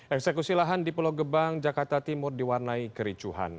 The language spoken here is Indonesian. eksekusi lahan di pulau gebang jakarta timur diwarnai kericuhan